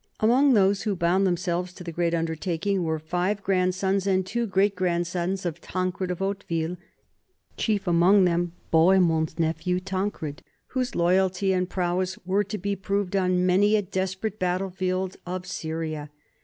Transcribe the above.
Among those who bound themselves to the great undertaking were five grandsons and two great grandsons of Tancred of Hauteville, chief among them Bohemond's nephew Tancred, whose loyalty and prow 214 NORMANS IN EUROPEAN HISTORY ess were to be proved on many a desperate battle field of Syria.